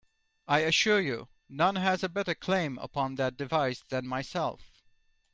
I assure you, none has a better claim upon that device than myself.